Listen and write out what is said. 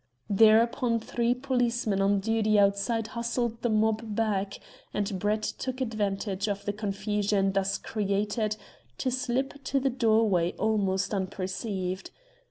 Thereupon three policemen on duty outside hustled the mob back, and Brett took advantage of the confusion thus created to slip to the doorway almost unperceived.